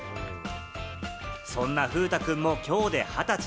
そんな風太くんも、きょうで二十歳。